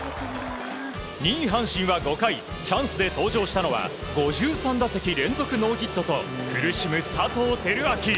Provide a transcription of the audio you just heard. ２位、阪神は５回チャンスで登場したのは５３打席連続ノーヒットと苦しむ佐藤輝明。